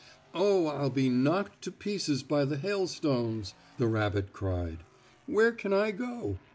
"Oh, I'll be knocked to pieces by the hailstones!" the rabbit cried. "Where can I go?